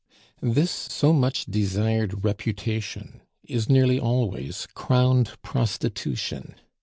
"This so much desired reputation is nearly always crowned prostitution.